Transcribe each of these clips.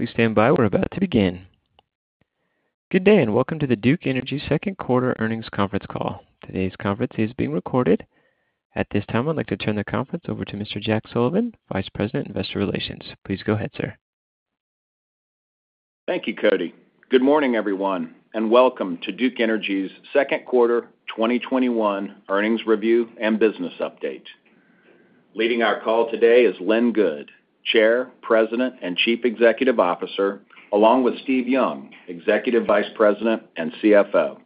Good day, and welcome to the Duke Energy second quarter earnings conference call. Today's conference is being recorded. At this time, I'd like to turn the conference over to Mr. Jack Sullivan, Vice President, Investor Relations. Please go ahead, sir. Thank you, Cody. Good morning, everyone, and welcome to Duke Energy's second quarter 2021 earnings review and business update. Leading our call today is Lynn Good, Chair, President, and Chief Executive Officer, along with Steve Young, Executive Vice President and CFO.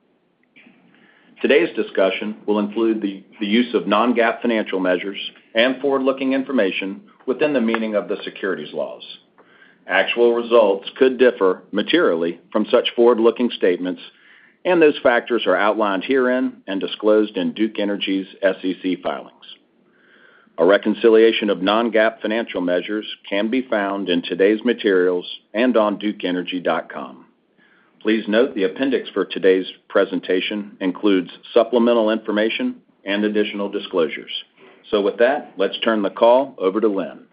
Today's discussion will include the use of non-GAAP financial measures and forward-looking information within the meaning of the securities laws. Actual results could differ materially from such forward-looking statements, and those factors are outlined herein and disclosed in Duke Energy's SEC filings. A reconciliation of non-GAAP financial measures can be found in today's materials and on duke-energy.com. Please note the appendix for today's presentation includes supplemental information and additional disclosures. With that, let's turn the call over to Lynn.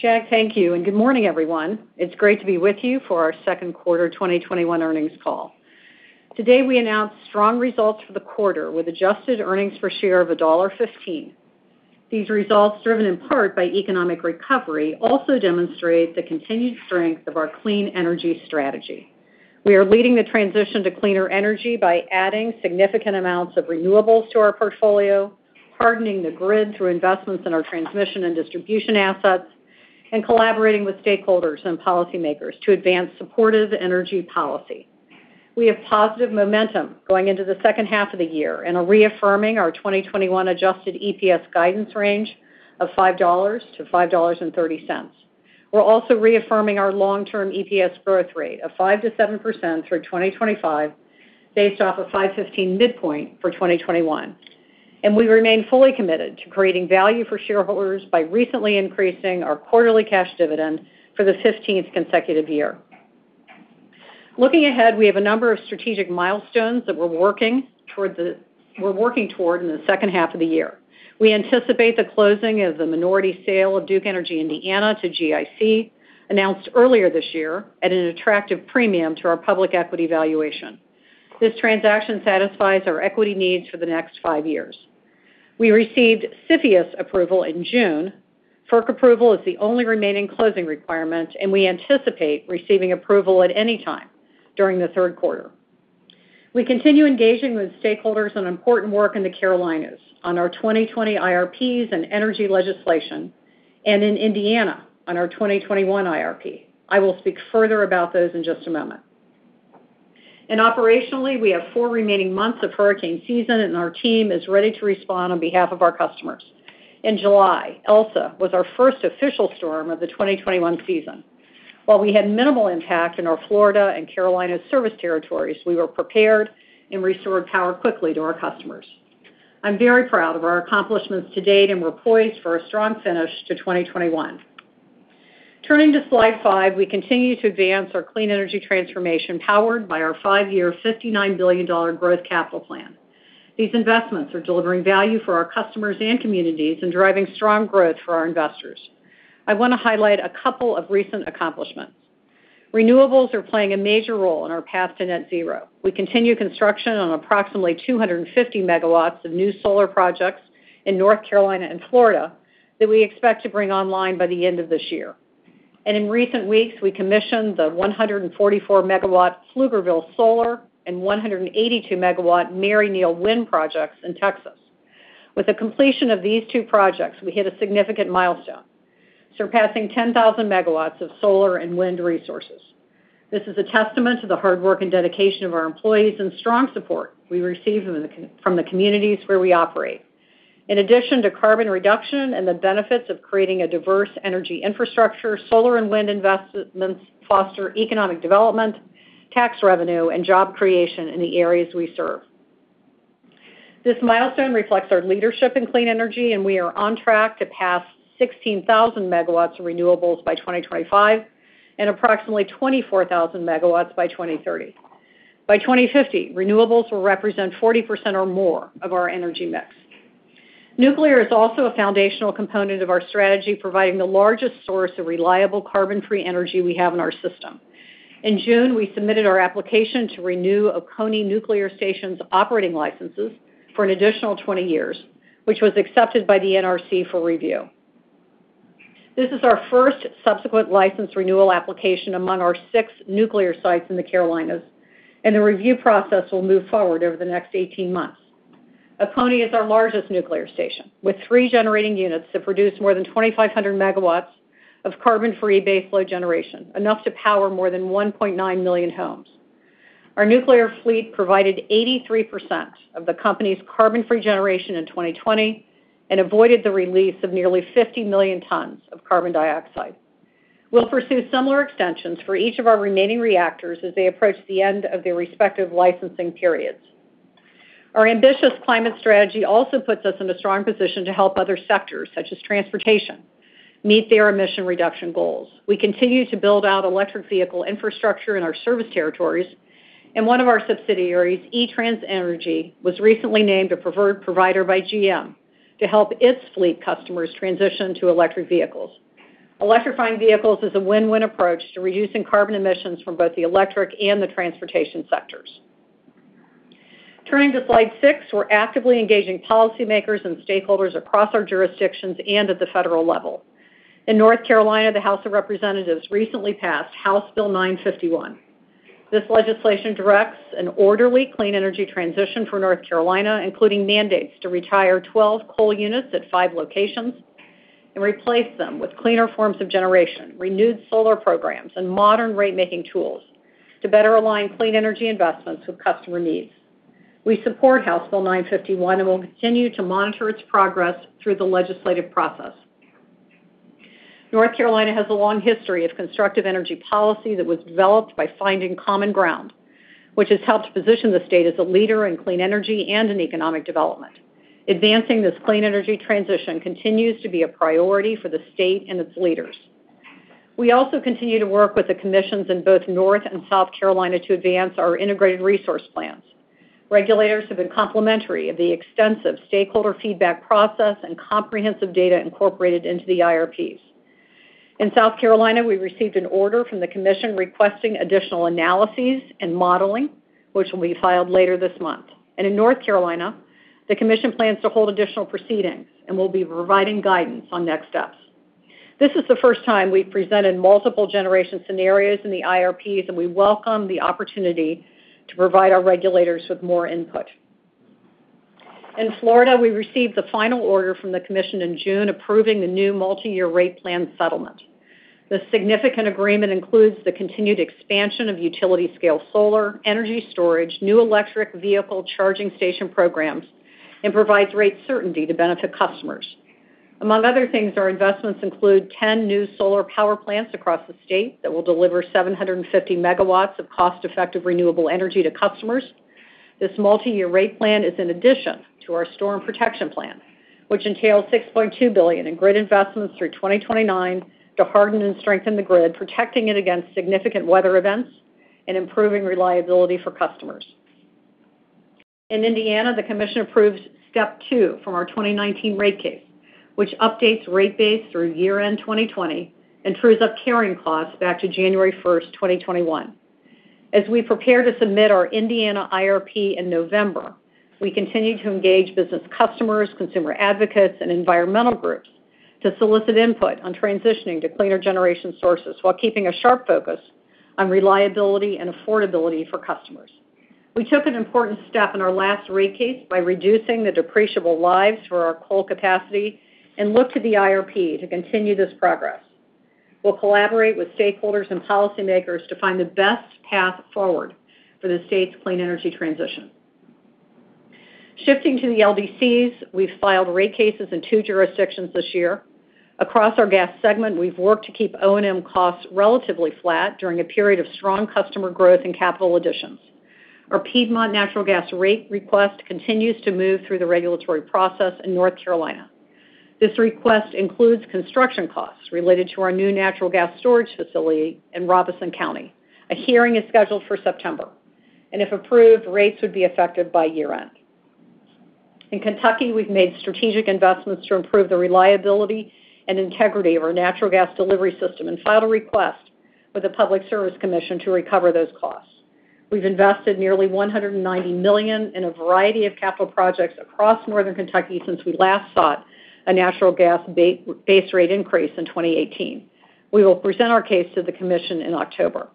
Jack, thank you. Good morning, everyone. It's great to be with you for our second quarter 2021 earnings call. Today, we announced strong results for the quarter with adjusted earnings per share of $1.15. These results, driven in part by economic recovery, also demonstrate the continued strength of our clean energy strategy. We are leading the transition to cleaner energy by adding significant amounts of renewables to our portfolio, hardening the grid through investments in our transmission and distribution assets, and collaborating with stakeholders and policymakers to advance supportive energy policy. We have positive momentum going into the second half of the year and are reaffirming our 2021 adjusted EPS guidance range of $5-$5.30. We're also reaffirming our long-term EPS growth rate of 5%-7% through 2025, based off of $5.15 midpoint for 2021. We remain fully committed to creating value for shareholders by recently increasing our quarterly cash dividend for the 15th consecutive year. Looking ahead, we have a number of strategic milestones that we're working toward in the second half of the year. We anticipate the closing of the minority sale of Duke Energy Indiana to GIC, announced earlier this year at an attractive premium to our public equity valuation. This transaction satisfies our equity needs for the next five years. We received CFIUS approval in June. FERC approval is the only remaining closing requirement, and we anticipate receiving approval at any time during the third quarter. We continue engaging with stakeholders on important work in the Carolinas on our 2020 IRPs and energy legislation, and in Indiana on our 2021 IRP. I will speak further about those in just a moment. Operationally, we have four remaining months of hurricane season, and our team is ready to respond on behalf of our customers. In July, Elsa was our first official storm of the 2021 season. While we had minimal impact in our Florida and Carolina service territories, we were prepared and restored power quickly to our customers. I'm very proud of our accomplishments to date, and we're poised for a strong finish to 2021. Turning to slide five, we continue to advance our clean energy transformation powered by our five-year $59 billion growth capital plan. These investments are delivering value for our customers and communities and driving strong growth for our investors. I want to highlight a couple of recent accomplishments. Renewables are playing a major role in our path to net zero. We continue construction on approximately 250 MW of new solar projects in North Carolina and Florida that we expect to bring online by the end of this year. In recent weeks, we commissioned the 144 MW Pflugerville Solar and 182 MW Maryneal Wind Projects in Texas. With the completion of these two projects, we hit a significant milestone, surpassing 10,000 MW of solar and wind resources. This is a testament to the hard work and dedication of our employees and strong support we receive from the communities where we operate. In addition to carbon reduction and the benefits of creating a diverse energy infrastructure, solar and wind investments foster economic development, tax revenue, and job creation in the areas we serve. This milestone reflects our leadership in clean energy, and we are on track to pass 16,000 MW of renewables by 2025 and approximately 24,000 MW by 2030. By 2050, renewables will represent 40% or more of our energy mix. Nuclear is also a foundational component of our strategy, providing the largest source of reliable carbon-free energy we have in our system. In June, we submitted our application to renew Oconee Nuclear Station's operating licenses for an additional 20 years, which was accepted by the NRC for review. This is our first subsequent license renewal application among our six nuclear sites in the Carolinas, and the review process will move forward over the next 18 months. Oconee is our largest nuclear station, with three generating units that produce more than 2,500 MW of carbon-free baseload generation, enough to power more than 1.9 million homes. Our nuclear fleet provided 83% of the company's carbon-free generation in 2020 and avoided the release of nearly 50 million tons of carbon dioxide. We'll pursue similar extensions for each of our remaining reactors as they approach the end of their respective licensing periods. Our ambitious climate strategy also puts us in a strong position to help other sectors, such as transportation, meet their emission reduction goals. We continue to build out electric vehicle infrastructure in our service territories, and one of our subsidiaries, eTransEnergy, was recently named a preferred provider by GM to help its fleet customers transition to electric vehicles. Electrifying vehicles is a win-win approach to reducing carbon emissions from both the electric and the transportation sectors. Turning to slide six, we're actively engaging policymakers and stakeholders across our jurisdictions and at the federal level. In North Carolina, the House of Representatives recently passed House Bill 951. This legislation directs an orderly, clean energy transition for North Carolina, including mandates to retire 12 coal units at five locations and replace them with cleaner forms of generation, renewed solar programs, and modern rate-making tools to better align clean energy investments with customer needs. We support House Bill 951 and will continue to monitor its progress through the legislative process. North Carolina has a long history of constructive energy policy that was developed by finding common ground, which has helped position the state as a leader in clean energy and in economic development. Advancing this clean energy transition continues to be a priority for the state and its leaders. We also continue to work with the commissions in both North and South Carolina to advance our Integrated Resource Plans. Regulators have been complimentary of the extensive stakeholder feedback process and comprehensive data incorporated into the IRPs. In South Carolina, we received an order from the commission requesting additional analyses and modeling, which will be filed later this month. In North Carolina, the commission plans to hold additional proceedings and will be providing guidance on next steps. This is the first time we've presented multiple generation scenarios in the IRPs, and we welcome the opportunity to provide our regulators with more input. In Florida, we received the final order from the commission in June approving the new multi-year rate plan settlement. This significant agreement includes the continued expansion of utility-scale solar, energy storage, new electric vehicle charging station programs, and provides rate certainty to benefit customers. Among other things, our investments include 10 new solar power plants across the state that will deliver 750 MW of cost-effective renewable energy to customers. This multi-year rate plan is in addition to our storm protection plan, which entails $6.2 billion in grid investments through 2029 to harden and strengthen the grid, protecting it against significant weather events and improving reliability for customers. In Indiana, the commission approved step two from our 2019 rate case, which updates rate base through year-end 2020 and trues up carrying costs back to January 1st, 2021. As we prepare to submit our Indiana IRP in November, we continue to engage business customers, consumer advocates, and environmental groups to solicit input on transitioning to cleaner generation sources while keeping a sharp focus on reliability and affordability for customers. We took an important step in our last rate case by reducing the depreciable lives for our coal capacity and look to the IRP to continue this progress. We'll collaborate with stakeholders and policymakers to find the best path forward for the state's clean energy transition. Shifting to the LDCs, we've filed rate cases in two jurisdictions this year. Across our gas segment, we've worked to keep O&M costs relatively flat during a period of strong customer growth and capital additions. Our Piedmont Natural Gas rate request continues to move through the regulatory process in North Carolina. This request includes construction costs related to our new natural gas storage facility in Robeson County. A hearing is scheduled for September, and if approved, rates would be effective by year-end. In Kentucky, we've made strategic investments to improve the reliability and integrity of our natural gas delivery system and filed a request with the Public Service Commission to recover those costs. We've invested nearly $190 million in a variety of capital projects across Northern Kentucky since we last sought a natural gas base rate increase in 2018. We will present our case to the commission in October.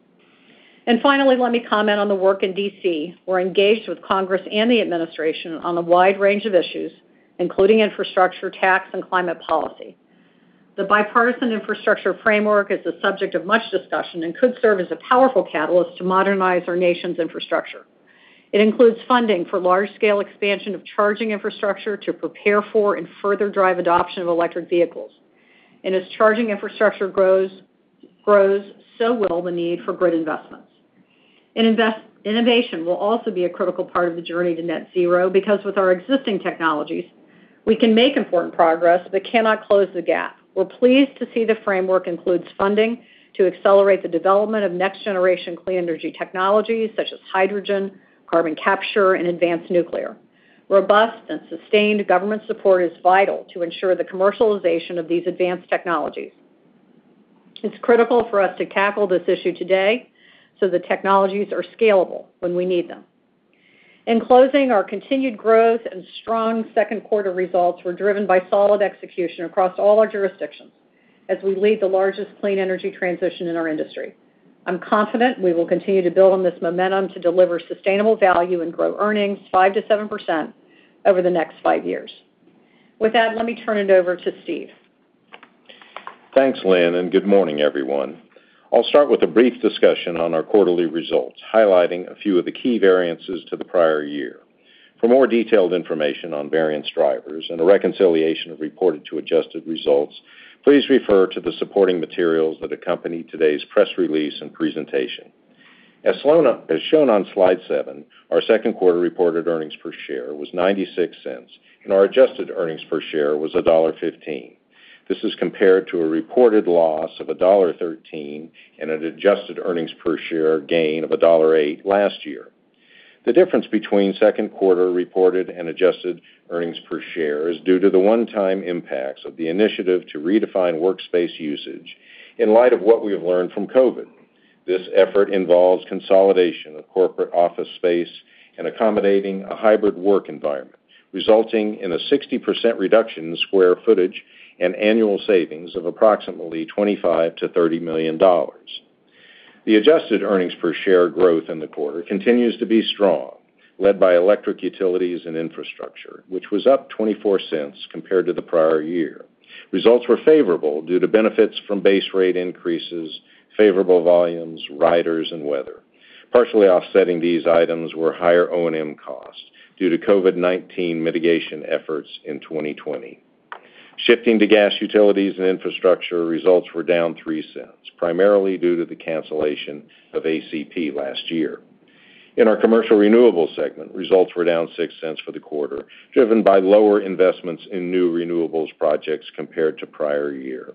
Finally, let me comment on the work in D.C. We're engaged with Congress and the administration on a wide range of issues, including infrastructure, tax, and climate policy. The bipartisan infrastructure framework is the subject of much discussion and could serve as a powerful catalyst to modernize our nation's infrastructure. It includes funding for large-scale expansion of charging infrastructure to prepare for and further drive adoption of electric vehicles. As charging infrastructure grows, so will the need for grid investments. Innovation will also be a critical part of the journey to net zero, because with our existing technologies, we can make important progress but cannot close the gap. We're pleased to see the framework includes funding to accelerate the development of next-generation clean energy technologies such as hydrogen, carbon capture, and advanced nuclear. Robust and sustained government support is vital to ensure the commercialization of these advanced technologies. It's critical for us to tackle this issue today so the technologies are scalable when we need them. In closing, our continued growth and strong second quarter results were driven by solid execution across all our jurisdictions as we lead the largest clean energy transition in our industry. I'm confident we will continue to build on this momentum to deliver sustainable value and grow earnings 5%-7% over the next 5 years. With that, let me turn it over to Steve. Thanks, Lynn. Good morning, everyone. I'll start with a brief discussion on our quarterly results, highlighting a few of the key variances to the prior year. For more detailed information on variance drivers and a reconciliation of reported to adjusted results, please refer to the supporting materials that accompany today's press release and presentation. As shown on slide seven, our second quarter reported earnings per share was $0.96, and our adjusted earnings per share was $1.15. This is compared to a reported loss of $1.13 and an adjusted earnings per share gain of $1.08 last year. The difference between second quarter reported and adjusted earnings per share is due to the one-time impacts of the initiative to redefine workspace usage in light of what we have learned from COVID. This effort involves consolidation of corporate office space and accommodating a hybrid work environment, resulting in a 60% reduction in square footage and annual savings of approximately $25 million-$30 million. The adjusted earnings per share growth in the quarter continues to be strong, led by electric utilities and infrastructure, which was up $0.24 compared to the prior year. Results were favorable due to benefits from base rate increases, favorable volumes, riders, and weather. Partially offsetting these items were higher O&M costs due to COVID-19 mitigation efforts in 2020. Shifting to gas utilities and infrastructure, results were down $0.03, primarily due to the cancellation of ACP last year. In our commercial renewables segment, results were down $0.06 for the quarter, driven by lower investments in new renewables projects compared to prior year.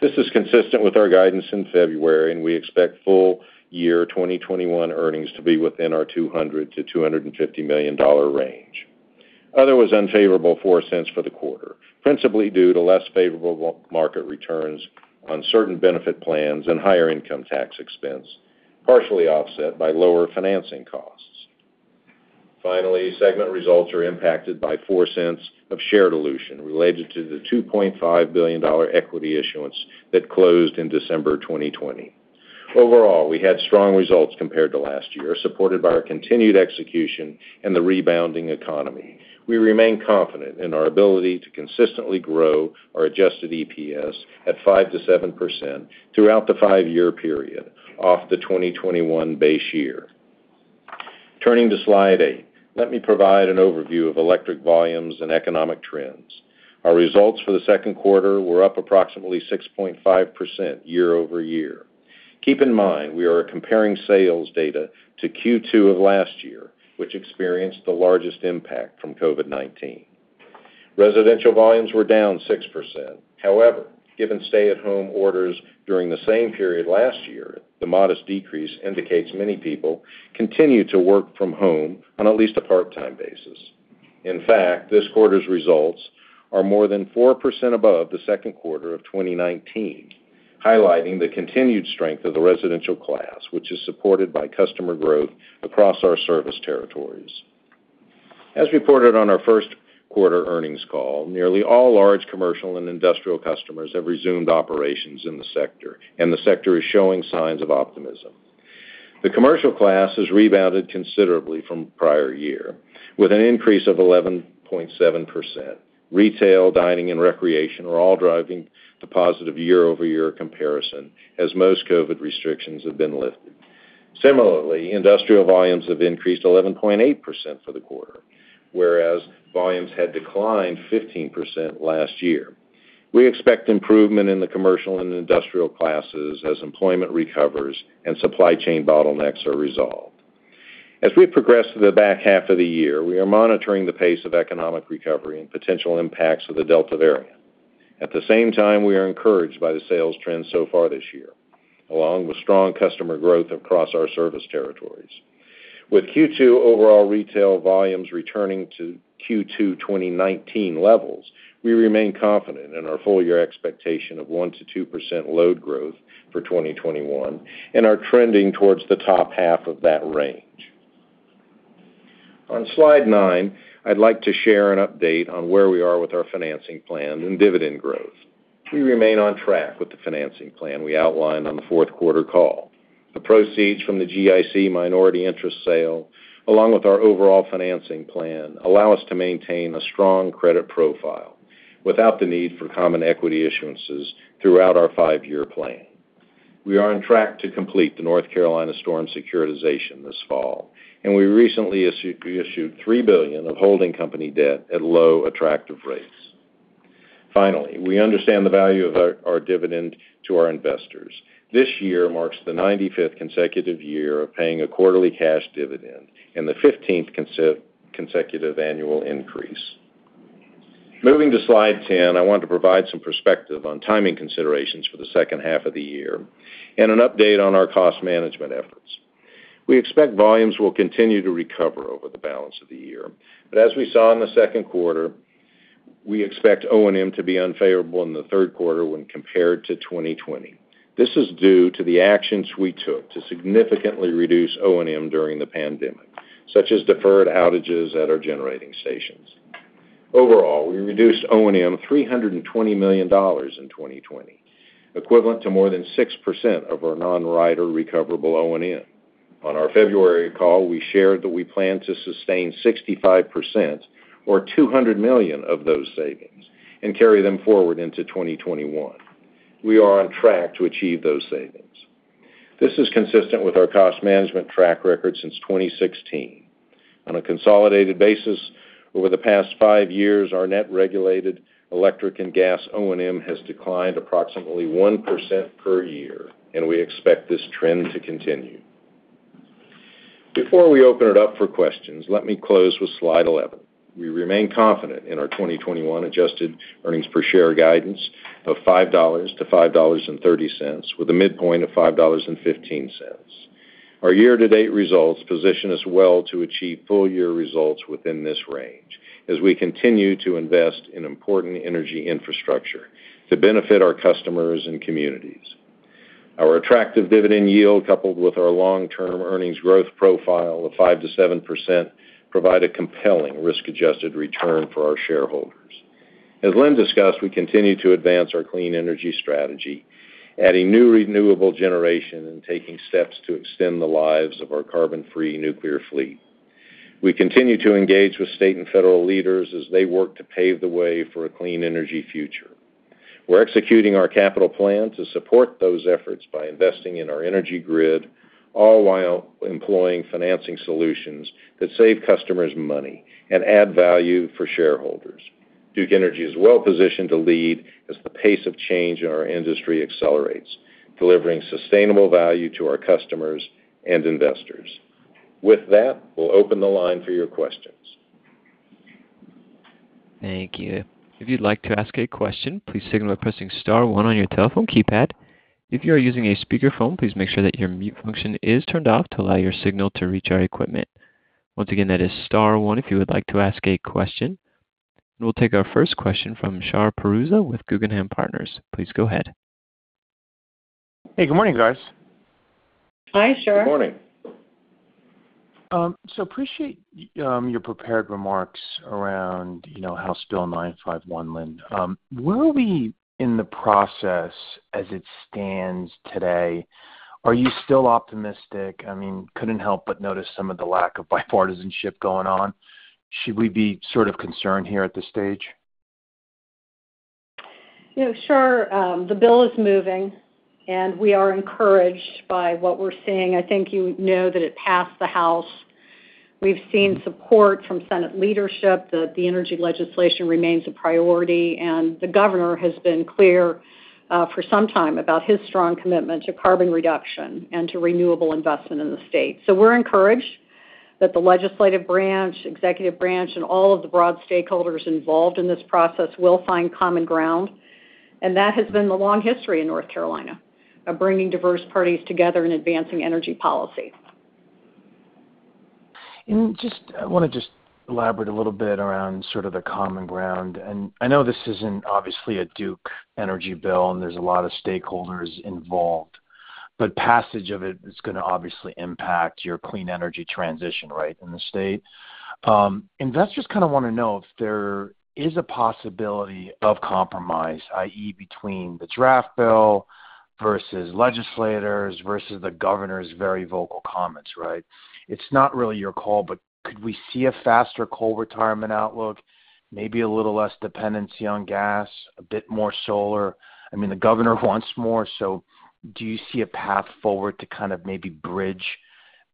This is consistent with our guidance in February, and we expect full year 2021 earnings to be within our $200 million-$250 million range. Other was unfavorable $0.04 for the quarter, principally due to less favorable market returns on certain benefit plans and higher income tax expense, partially offset by lower financing costs. Finally, segment results are impacted by $0.04 of share dilution related to the $2.5 billion equity issuance that closed in December 2020. Overall, we had strong results compared to last year, supported by our continued execution and the rebounding economy. We remain confident in our ability to consistently grow our adjusted EPS at 5%-7% throughout the five-year period off the 2021 base year. Turning to slide eight, let me provide an overview of electric volumes and economic trends. Our results for the second quarter were up approximately 6.5% year-over-year. Keep in mind, we are comparing sales data to Q2 of last year, which experienced the largest impact from COVID-19. Residential volumes were down 6%. However, given stay-at-home orders during the same period last year, the modest decrease indicates many people continue to work from home on at least a part-time basis. In fact, this quarter's results are more than 4% above the second quarter of 2019, highlighting the continued strength of the residential class, which is supported by customer growth across our service territories. As reported on our first quarter earnings call, nearly all large commercial and industrial customers have resumed operations in the sector, and the sector is showing signs of optimism. The commercial class has rebounded considerably from prior year with an increase of 11.7%. Retail, dining, and recreation are all driving the positive year-over-year comparison as most COVID restrictions have been lifted. Similarly, industrial volumes have increased 11.8% for the quarter, whereas volumes had declined 15% last year. We expect improvement in the commercial and industrial classes as employment recovers and supply chain bottlenecks are resolved. As we progress to the back half of the year, we are monitoring the pace of economic recovery and potential impacts of the Delta variant. At the same time, we are encouraged by the sales trends so far this year, along with strong customer growth across our service territories. With Q2 overall retail volumes returning to Q2 2019 levels, we remain confident in our full year expectation of 1%-2% load growth for 2021 and are trending towards the top half of that range. On slide nine, I'd like to share an update on where we are with our financing plan and dividend growth. We remain on track with the financing plan we outlined on the 4th quarter call. The proceeds from the GIC minority interest sale, along with our overall financing plan, allow us to maintain a strong credit profile without the need for common equity issuances throughout our five-year plan. We are on track to complete the North Carolina storm securitization this fall, and we recently issued $3 billion of holding company debt at low, attractive rates. Finally, we understand the value of our dividend to our investors. This year marks the 95th consecutive year of paying a quarterly cash dividend and the 15th consecutive annual increase. Moving to slide 10, I want to provide some perspective on timing considerations for the second half of the year and an update on our cost management efforts. We expect volumes will continue to recover over the balance of the year. As we saw in the second quarter, we expect O&M to be unfavorable in the third quarter when compared to 2020. This is due to the actions we took to significantly reduce O&M during the pandemic, such as deferred outages at our generating stations. Overall, we reduced O&M $320 million in 2020, equivalent to more than 6% of our non-rider recoverable O&M. On our February call, we shared that we plan to sustain 65%, or $200 million of those savings, and carry them forward into 2021. We are on track to achieve those savings. This is consistent with our cost management track record since 2016. On a consolidated basis, over the past five years, our net regulated electric and gas O&M has declined approximately 1% per year, and we expect this trend to continue. Before we open it up for questions, let me close with slide 11. We remain confident in our 2021 adjusted earnings per share guidance of $5-$5.30, with a midpoint of $5.15. Our year-to-date results position us well to achieve full-year results within this range as we continue to invest in important energy infrastructure to benefit our customers and communities. Our attractive dividend yield, coupled with our long-term earnings growth profile of 5%-7%, provide a compelling risk-adjusted return for our shareholders. As Lynn discussed, we continue to advance our clean energy strategy, adding new renewable generation and taking steps to extend the lives of our carbon-free nuclear fleet. We continue to engage with state and federal leaders as they work to pave the way for a clean energy future. We're executing our capital plan to support those efforts by investing in our energy grid, all while employing financing solutions that save customers money and add value for shareholders. Duke Energy is well-positioned to lead as the pace of change in our industry accelerates, delivering sustainable value to our customers and investors. With that, we'll open the line for your questions. Thank you. If you'd like to ask a question, please signal by pressing star one on your telephone keypad. If you are using a speakerphone, please make sure that your mute function is turned off to allow your signal to reach our equipment. Once again, that is star one if you would like to ask a question. We'll take our first question from Shar Pourreza with Guggenheim Partners. Please go ahead. Hey, good morning, guys. Hi, Shar. Good morning. Appreciate your prepared remarks around House Bill 951, Lynn. Where are we in the process as it stands today? Are you still optimistic? I couldn't help but notice some of the lack of bipartisanship going on. Should we be sort of concerned here at this stage? Shar, the bill is moving. We are encouraged by what we're seeing. I think you know that it passed the House. We've seen support from Senate leadership that the energy legislation remains a priority. The governor has been clear for some time about his strong commitment to carbon reduction and to renewable investment in the state. We're encouraged that the legislative branch, executive branch, and all of the broad stakeholders involved in this process will find common ground. That has been the long history in North Carolina of bringing diverse parties together in advancing energy policy. I want to just elaborate a little bit around sort of the common ground. I know this isn't obviously a Duke Energy bill, and there's a lot of stakeholders involved, but passage of it is going to obviously impact your clean energy transition in the state. Investors kind of want to know if there is a possibility of compromise, i.e., between the draft bill versus legislators versus the governor's very vocal comments, right? It's not really your call. Could we see a faster coal retirement outlook, maybe a little less dependency on gas, a bit more solar? I mean, the governor wants more. Do you see a path forward to kind of maybe bridge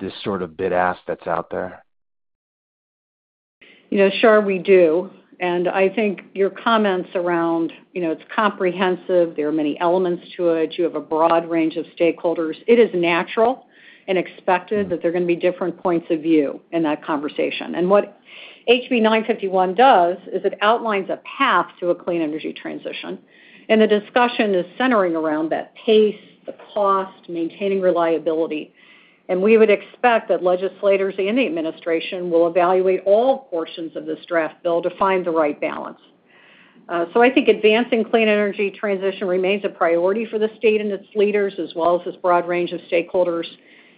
this sort of bid ask that's out there? Shar, we do. I think your comments around it's comprehensive, there are many elements to it, you have a broad range of stakeholders. It is natural and expected that there are going to be different points of view in that conversation. What HB 951 does is it outlines a path to a clean energy transition, and the discussion is centering around that pace, the cost, maintaining reliability. We would expect that legislators and the administration will evaluate all portions of this draft bill to find the right balance. I think advancing clean energy transition remains a priority for the state and its leaders, as well as its broad range of stakeholders,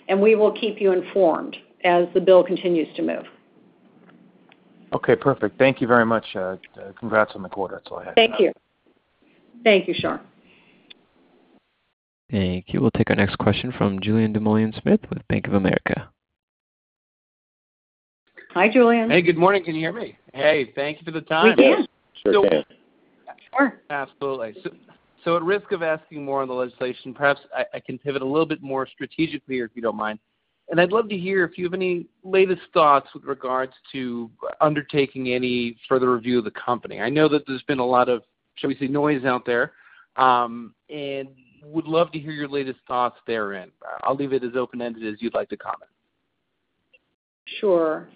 and we will keep you informed as the bill continues to move. Okay, perfect. Thank you very much. Congrats on the quarter. That's all I had. Thank you. Thank you, Shar. Thank you. We'll take our next question from Julien Dumoulin-Smith with Bank of America. Hi, Julien. Hey, good morning. Can you hear me? Hey, thank you for the time. We can. Sure can. Sure. Absolutely. At risk of asking more on the legislation, perhaps I can pivot a little bit more strategically here, if you don't mind. I'd love to hear if you have any latest thoughts with regards to undertaking any further review of the company. I know that there's been a lot of, shall we say, noise out there, and would love to hear your latest thoughts therein. I'll leave it as open-ended as you'd like to comment. Sure.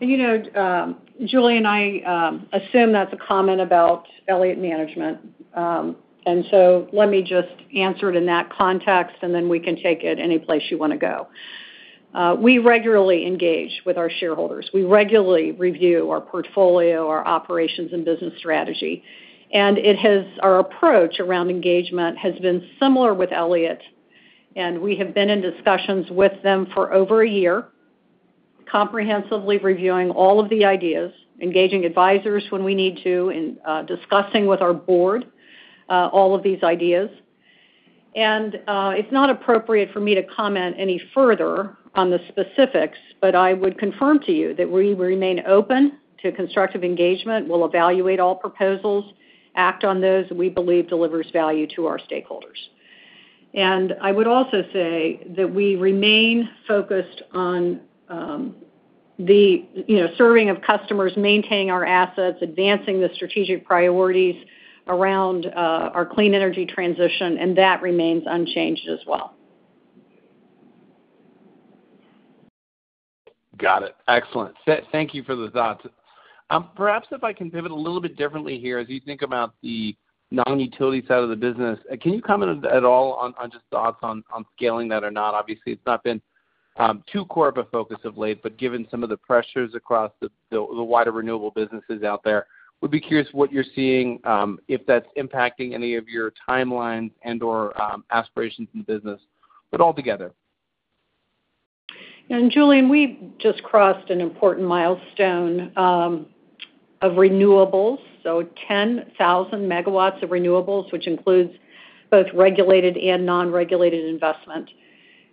Julien, I assume that's a comment about Elliott Management. Let me just answer it in that context, and then we can take it any place you want to go. We regularly engage with our shareholders. We regularly review our portfolio, our operations, and business strategy. Our approach around engagement has been similar with Elliott, and we have been in discussions with them for over a year, comprehensively reviewing all of the ideas, engaging advisors when we need to, and discussing with our board all of these ideas. It's not appropriate for me to comment any further on the specifics, but I would confirm to you that we remain open to constructive engagement. We'll evaluate all proposals, act on those we believe delivers value to our stakeholders. I would also say that we remain focused on the serving of customers, maintaining our assets, advancing the strategic priorities around our clean energy transition, and that remains unchanged as well. Got it. Excellent. Thank you for the thoughts. Perhaps if I can pivot a little bit differently here, as you think about the non-utility side of the business, can you comment at all on just thoughts on scaling that or not? Obviously, it's not been too core of a focus of late, but given some of the pressures across the wider renewable businesses out there, we'd be curious what you're seeing, if that's impacting any of your timelines and/or aspirations in the business, but altogether. Julien, we just crossed an important milestone of renewables, so 10,000 MW of renewables, which includes both regulated and non-regulated investment.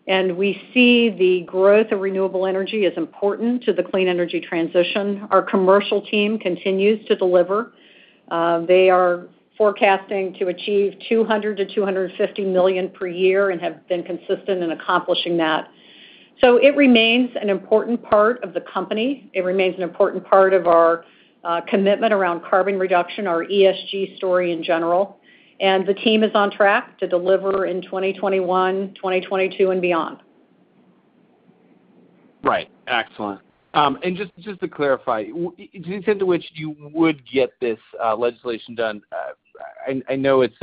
We see the growth of renewable energy as important to the clean energy transition. Our commercial team continues to deliver. They are forecasting to achieve $200 million-$250 million per year and have been consistent in accomplishing that. It remains an important part of the company. It remains an important part of our commitment around carbon reduction, our ESG story in general, and the team is on track to deliver in 2021, 2022 and beyond. Right. Excellent. Just to clarify, to the extent to which you would get this legislation done, I know it's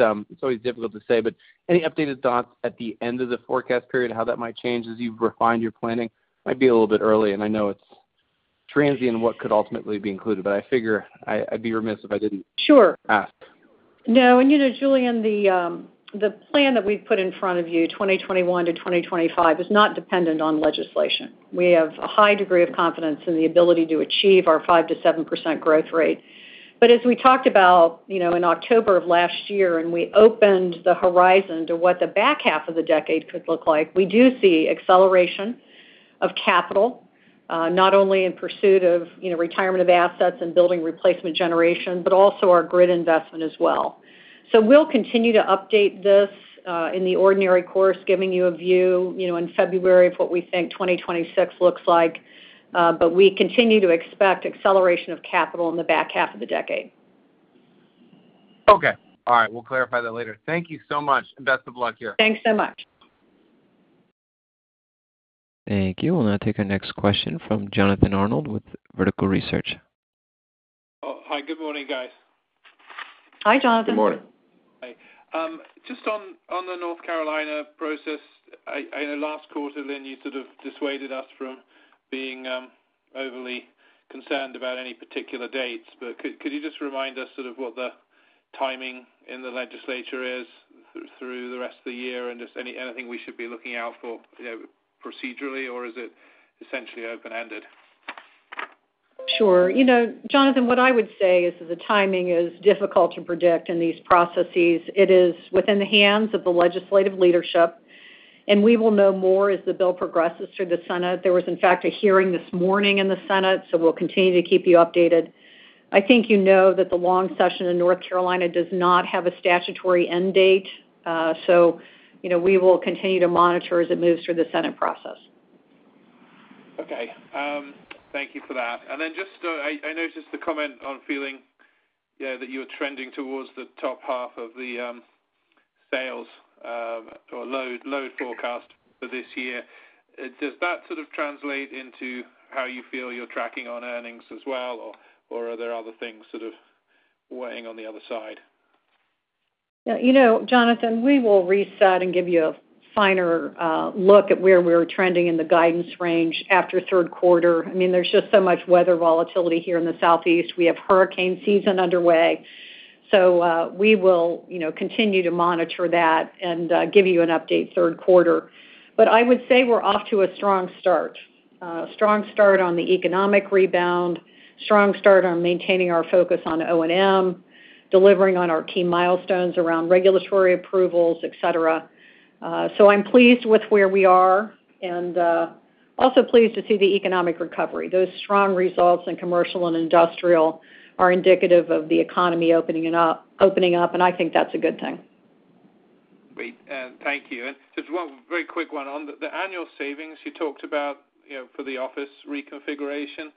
always difficult to say, but any updated thoughts at the end of the forecast period, how that might change as you've refined your planning? Might be a little bit early, I know it's transient what could ultimately be included, I figure I'd be remiss. Sure Alright. You know, Julien, the plan that we've put in front of you, 2021-2025, is not dependent on legislation. We have a high degree of confidence in the ability to achieve our 5%-7% growth rate. As we talked about in October of last year, and we opened the horizon to what the back half of the decade could look like, we do see acceleration of capital, not only in pursuit of retirement of assets and building replacement generation, but also our grid investment as well. We'll continue to update this, in the ordinary course, giving you a view, in February of what we think 2026 looks like. We continue to expect acceleration of capital in the back half of the decade. Okay. All right. We'll clarify that later. Thank you so much, and best of luck here. Thanks so much. Thank you. We'll now take our next question from Jonathan Arnold with Vertical Research. Oh, hi. Good morning, guys. Hi, Jonathan. Good morning. Hi. Just on the North Carolina process, I know last quarter, Lynn Good, you sort of dissuaded us from being overly concerned about any particular dates, but could you just remind us sort of what the timing in the legislature is through the rest of the year and just anything we should be looking out for procedurally, or is it essentially open-ended? Sure. Jonathan, what I would say is that the timing is difficult to predict in these processes. It is within the hands of the legislative leadership, and we will know more as the bill progresses through the Senate. There was, in fact, a hearing this morning in the Senate, so we'll continue to keep you updated. I think you know that the long session in North Carolina does not have a statutory end date, so we will continue to monitor as it moves through the Senate process. Okay. Thank you for that. Then just, I noticed the comment on feeling that you were trending towards the top half of the sales or load forecast for this year. Does that sort of translate into how you feel you're tracking on earnings as well, or are there other things sort of weighing on the other side? Yeah. Jonathan, we will reset and give you a finer look at where we're trending in the guidance range after third quarter. There's just so much weather volatility here in the Southeast. We have hurricane season underway. We will continue to monitor that and give you an update third quarter. I would say we're off to a strong start. A strong start on the economic rebound, strong start on maintaining our focus on O&M, delivering on our key milestones around regulatory approvals, et cetera. I'm pleased with where we are and also pleased to see the economic recovery. Those strong results in commercial and industrial are indicative of the economy opening up, and I think that's a good thing. Great. Thank you. Just one very quick one on the annual savings you talked about for the office reconfiguration.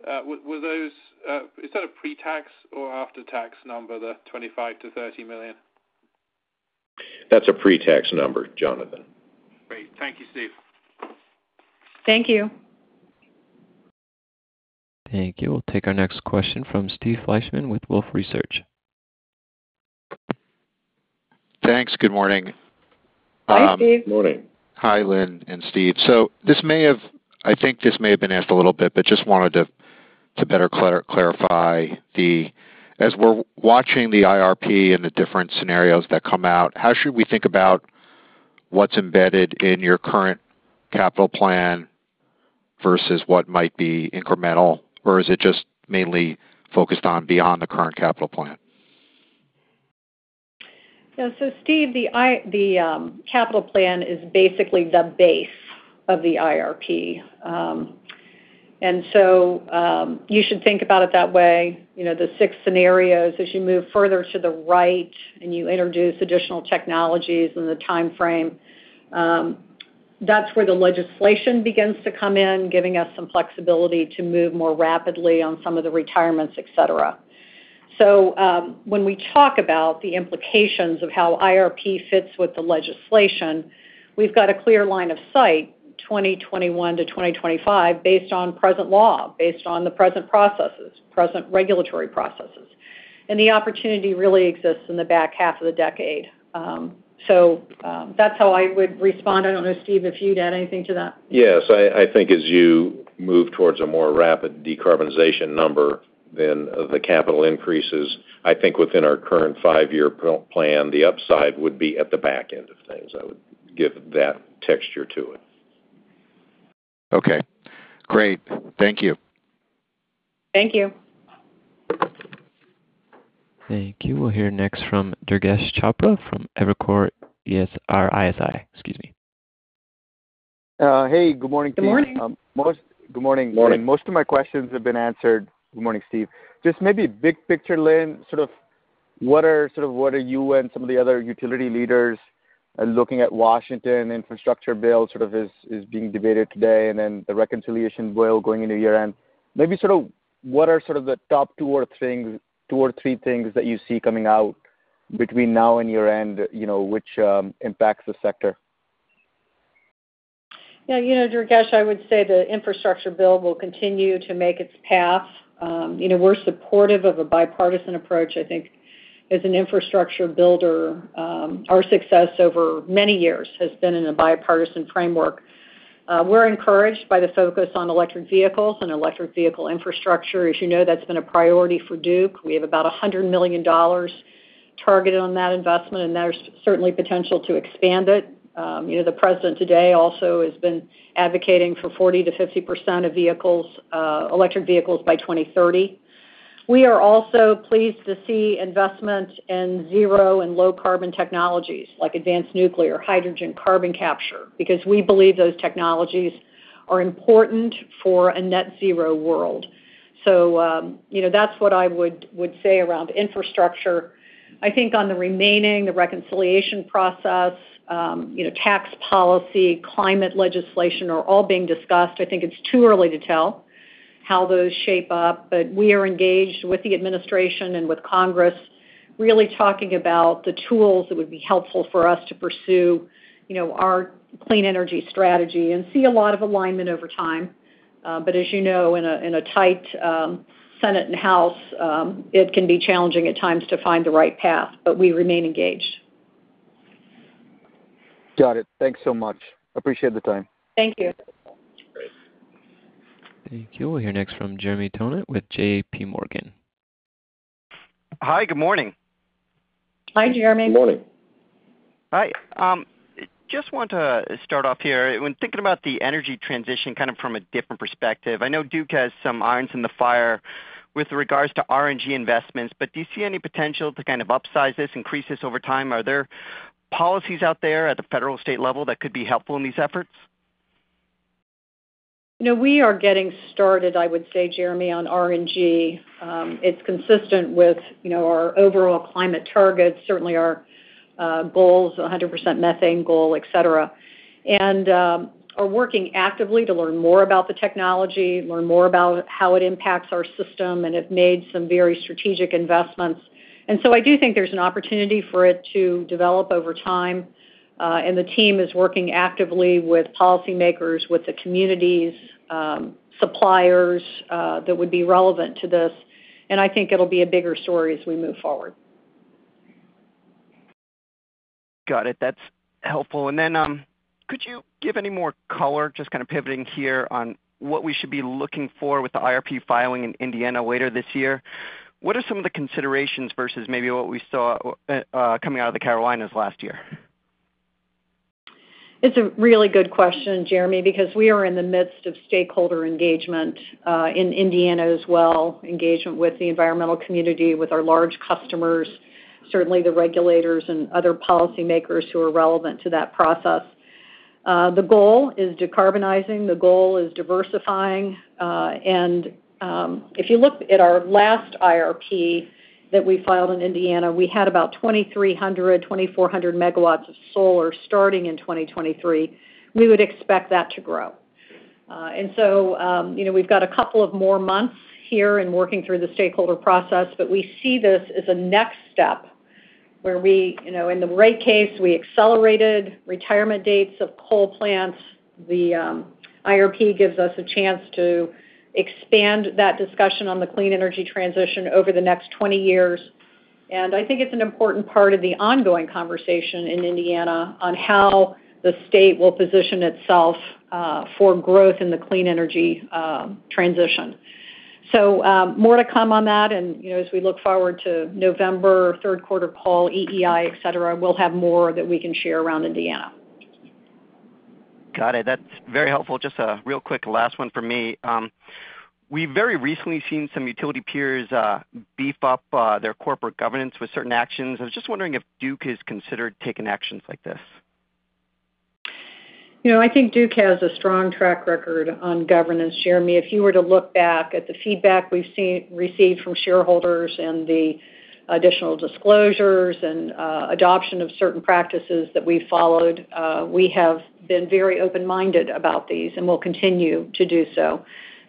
Is that a pre-tax or after-tax number, the $25 million-$30 million? That's a pre-tax number, Jonathan. Great. Thank you, Steve. Thank you. Thank you. We'll take our next question from Steve Fleishman with Wolfe Research. Thanks. Good morning. Hi, Steve. Morning. Hi, Lynn and Steve. I think this may have been asked a little bit, but just wanted to better clarify. As we're watching the IRP and the different scenarios that come out, how should we think about what's embedded in your current capital plan versus what might be incremental? Or is it just mainly focused on beyond the current capital plan? Steve, the capital plan is basically the base of the IRP. You should think about it that way. The six scenarios, as you move further to the right and you introduce additional technologies in the timeframe, that's where the legislation begins to come in, giving us some flexibility to move more rapidly on some of the retirements, et cetera. When we talk about the implications of how IRP fits with the legislation, we've got a clear line of sight, 2021-2025, based on present law, based on the present processes, present regulatory processes. The opportunity really exists in the back half of the decade. That's how I would respond. I don't know, Steve, if you'd add anything to that. Yes. I think as you move towards a more rapid decarbonization number, the capital increases. I think within our current five-year plan, the upside would be at the back end of things. I would give that texture to it. Okay, great. Thank you. Thank you. Thank you. We'll hear next from Durgesh Chopra from Evercore ISI. Hey, good morning, team. Good morning. Good morning. Morning. Most of my questions have been answered. Good morning, Steve. Maybe big picture, Lynn, what are you and some of the other utility leaders looking at Washington infrastructure bill is being debated today, and then the reconciliation bill going into year-end. Maybe what are the top two or three things that you see coming out between now and year-end which impacts the sector? Yeah. Durgesh, I would say the infrastructure bill will continue to make its path. We're supportive of a bipartisan approach. I think as an infrastructure builder, our success over many years has been in a bipartisan framework. We're encouraged by the focus on electric vehicles and electric vehicle infrastructure. As you know, that's been a priority for Duke. We have about $100 million targeted on that investment, and there's certainly potential to expand it. The President today also has been advocating for 40%-50% of electric vehicles by 2030. We are also pleased to see investment in zero and low-carbon technologies like advanced nuclear, hydrogen carbon capture, because we believe those technologies are important for a net zero world. That's what I would say around infrastructure. I think on the remaining, the reconciliation process, tax policy, climate legislation are all being discussed. I think it's too early to tell how those shape up. We are engaged with the Administration and with Congress, really talking about the tools that would be helpful for us to pursue our clean energy strategy, see a lot of alignment over time. As you know, in a tight Senate and House, it can be challenging at times to find the right path, but we remain engaged. Got it. Thanks so much. Appreciate the time. Thank you. Thank you. We'll hear next from Jeremy Tonet with JPMorgan. Hi, good morning. Hi, Jeremy. Good morning. Hi. Just want to start off here. When thinking about the energy transition kind of from a different perspective, I know Duke has some irons in the fire with regards to RNG investments, but do you see any potential to upsize this, increase this over time? Are there policies out there at the federal state level that could be helpful in these efforts? We are getting started, I would say, Jeremy, on RNG. It's consistent with our overall climate targets, certainly our goals, 100% methane goal, et cetera. Are working actively to learn more about the technology, learn more about how it impacts our system, and have made some very strategic investments. I do think there's an opportunity for it to develop over time. The team is working actively with policymakers, with the communities, suppliers that would be relevant to this, and I think it'll be a bigger story as we move forward. Got it. That's helpful. Then could you give any more color, just kind of pivoting here, on what we should be looking for with the IRP filing in Indiana later this year? What are some of the considerations versus maybe what we saw coming out of the Carolinas last year? It's a really good question, Jeremy. We are in the midst of stakeholder engagement in Indiana as well, engagement with the environmental community, with our large customers, certainly the regulators and other policymakers who are relevant to that process. The goal is decarbonizing, the goal is diversifying. If you look at our last IRP that we filed in Indiana, we had about 2,300 MW, 2,400 MW of solar starting in 2023. We would expect that to grow. We've got a couple of more months here in working through the stakeholder process, but we see this as a next step where we, in the rate case, we accelerated retirement dates of coal plants. The IRP gives us a chance to expand that discussion on the clean energy transition over the next 20 years. I think it's an important part of the ongoing conversation in Indiana on how the state will position itself for growth in the clean energy transition. More to come on that, and as we look forward to November, third quarter call, EEI, et cetera, we'll have more that we can share around Indiana. Got it. That's very helpful. Just a real quick last one for me. We've very recently seen some utility peers beef up their corporate governance with certain actions. I was just wondering if Duke has considered taking actions like this. I think Duke has a strong track record on governance, Jeremy. If you were to look back at the feedback we've received from shareholders and the additional disclosures and adoption of certain practices that we've followed. We have been very open-minded about these, and will continue to do so.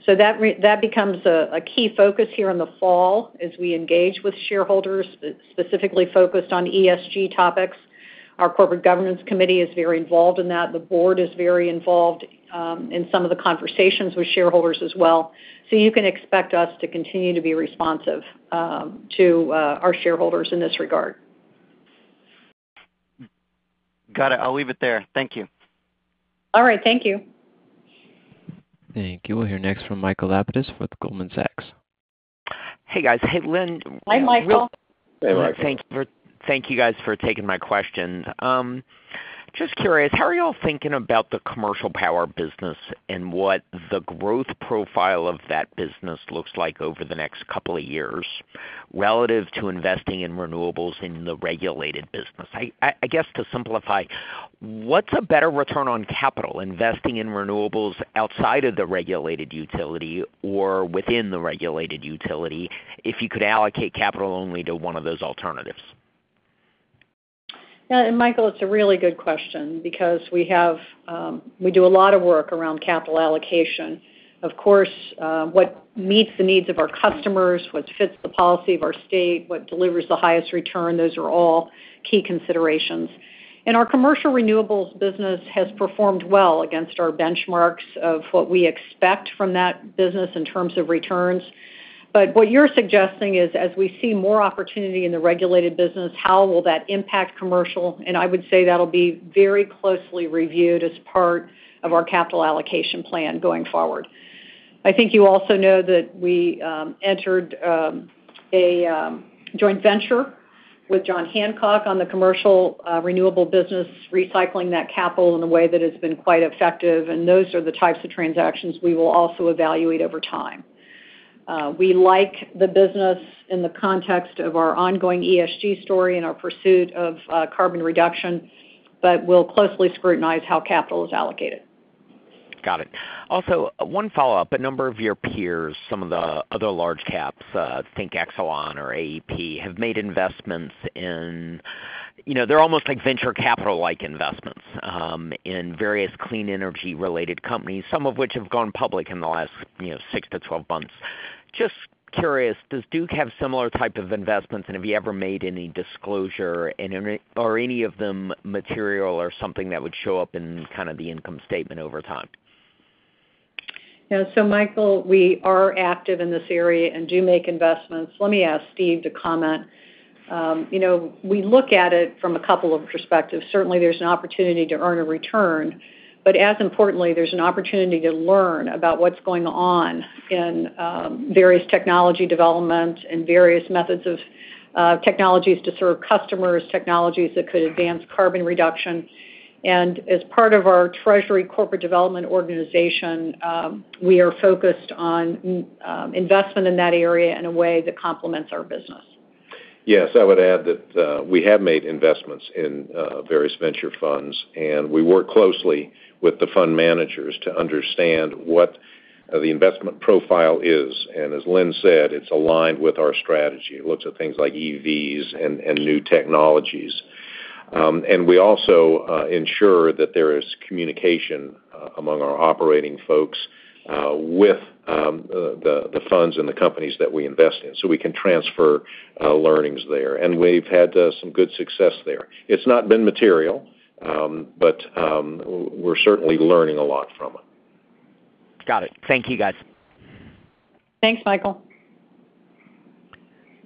That becomes a key focus here in the fall as we engage with shareholders, specifically focused on ESG topics. Our corporate governance committee is very involved in that. The board is very involved in some of the conversations with shareholders as well. You can expect us to continue to be responsive to our shareholders in this regard. Got it. I'll leave it there. Thank you. All right. Thank you. Thank you. We'll hear next from Michael Lapides with Goldman Sachs. Hey, guys. Hey, Lynn. Hi, Michael. Hey, Michael. Thank you guys for taking my questions. Just curious, how are you all thinking about the commercial power business and what the growth profile of that business looks like over the next couple of years relative to investing in renewables in the regulated business? I guess to simplify, what's a better return on capital, investing in renewables outside of the regulated utility or within the regulated utility if you could allocate capital only to one of those alternatives? Yeah, Michael, it's a really good question because we do a lot of work around capital allocation. Of course, what meets the needs of our customers, what fits the policy of our state, what delivers the highest return, those are all key considerations. Our commercial renewables business has performed well against our benchmarks of what we expect from that business in terms of returns. What you're suggesting is, as we see more opportunity in the regulated business, how will that impact commercial? I would say that'll be very closely reviewed as part of our capital allocation plan going forward. I think you also know that we entered a joint venture with John Hancock on the commercial renewable business, recycling that capital in a way that has been quite effective, and those are the types of transactions we will also evaluate over time. We like the business in the context of our ongoing ESG story and our pursuit of carbon reduction, but we'll closely scrutinize how capital is allocated. Got it. Also, one follow-up. A number of your peers, some of the other large caps, think Exelon or AEP, have made investments in-- they're almost like venture capital-like investments in various clean energy-related companies, some of which have gone public in the last 6-12 months. Just curious, does Duke have similar type of investments, and have you ever made any disclosure? And are any of them material or something that would show up in the income statement over time? Michael, we are active in this area and do make investments. Let me ask Steve to comment. We look at it from a couple of perspectives. Certainly, there's an opportunity to earn a return, but as importantly, there's an opportunity to learn about what's going on in various technology developments and various methods of technologies to serve customers, technologies that could advance carbon reduction. As part of our treasury corporate development organization, we are focused on investment in that area in a way that complements our business. Yes, I would add that we have made investments in various venture funds, and we work closely with the fund managers to understand what the investment profile is. As Lynn said, it's aligned with our strategy. It looks at things like EVs and new technologies. We also ensure that there is communication among our operating folks with the funds and the companies that we invest in, so we can transfer learnings there. We've had some good success there. It's not been material, but we're certainly learning a lot from it. Got it. Thank you, guys. Thanks, Michael.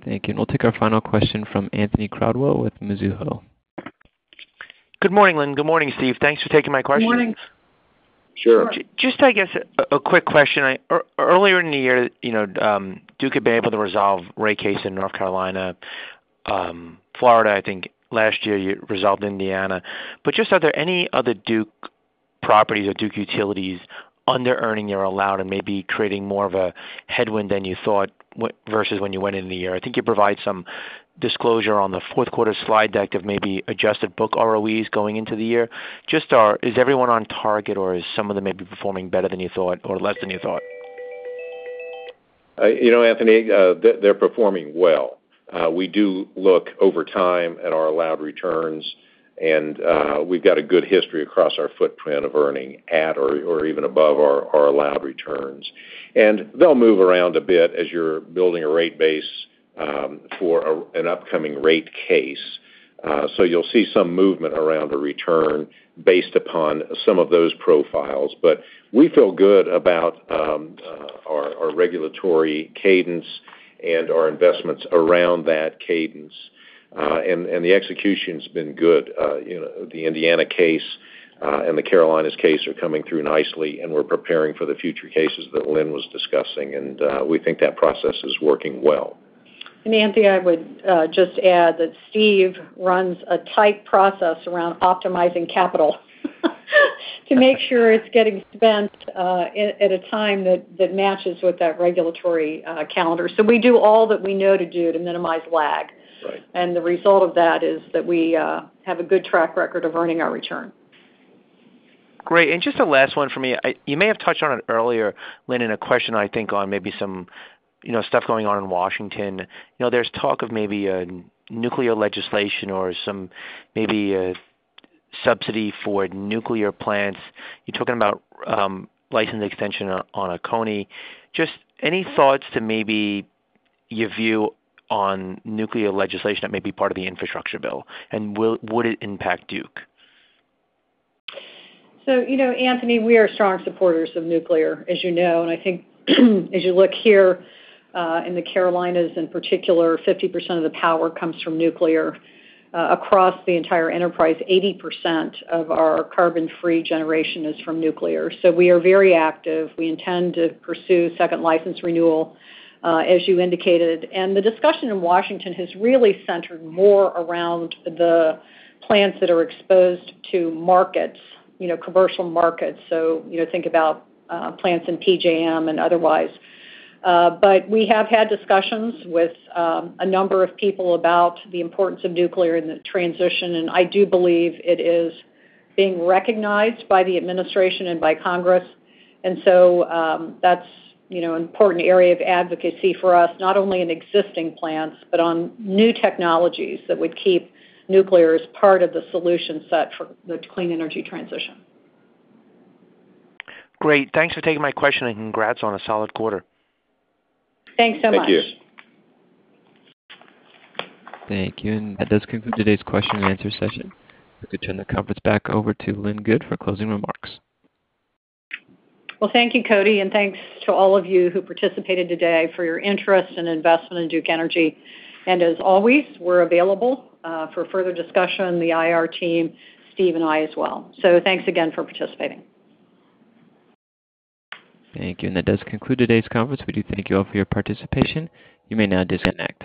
Thank you. We'll take our final question from Anthony Crowdell with Mizuho. Good morning, Lynn. Good morning, Steve. Thanks for taking my questions. Good morning. Sure. I guess, a quick question? Earlier in the year, Duke had been able to resolve rate case in North Carolina, Florida, I think last year you resolved Indiana. Just are there any other Duke properties or Duke utilities under-earning their allowed and maybe creating more of a headwind than you thought versus when you went in the year? I think you provide some disclosure on the fourth quarter slide deck of maybe adjusted book ROEs going into the year. Is everyone on target or is some of them maybe performing better than you thought or less than you thought? Anthony, they're performing well. We do look over time at our allowed returns, and we've got a good history across our footprint of earning at or even above our allowed returns. They'll move around a bit as you're building a rate base for an upcoming rate case. You'll see some movement around a return based upon some of those profiles. We feel good about our regulatory cadence and our investments around that cadence. The execution's been good. The Duke Energy Indiana case and the Carolinas case are coming through nicely, and we're preparing for the future cases that Lynn Good was discussing, and we think that process is working well. Anthony, I would just add that Steve Young runs a tight process around optimizing capital to make sure it's getting spent at a time that matches with that regulatory calendar. We do all that we know to do to minimize lag. Right. The result of that is that we have a good track record of earning our return. Great. Just the last one for me, you may have touched on it earlier, Lynn, in a question, I think on maybe some stuff going on in Washington. There's talk of maybe a nuclear legislation or maybe a subsidy for nuclear plants. You're talking about license extension on Oconee. Just any thoughts to maybe your view on nuclear legislation that may be part of the infrastructure bill, and would it impact Duke? Anthony, we are strong supporters of nuclear, as you know. I think as you look here in the Carolinas in particular, 50% of the power comes from nuclear. Across the entire enterprise, 80% of our carbon-free generation is from nuclear. We are very active. We intend to pursue second license renewal, as you indicated. The discussion in Washington has really centered more around the plants that are exposed to markets, commercial markets. Think about plants in PJM and otherwise. We have had discussions with a number of people about the importance of nuclear in the transition, and I do believe it is being recognized by the administration and by Congress. That's important area of advocacy for us, not only in existing plants, but on new technologies that would keep nuclear as part of the solution set for the clean energy transition. Great. Thanks for taking my question, and congrats on a solid quarter. Thanks so much. Thank you. Thank you. That does conclude today's question and answer session. We could turn the conference back over to Lynn Good for closing remarks. Well, thank you, Cody. Thanks to all of you who participated today for your interest and investment in Duke Energy. As always, we're available for further discussion, the IR team, Steve, and I as well. Thanks again for participating. Thank you. That does conclude today's conference. We do thank you all for your participation. You may now disconnect.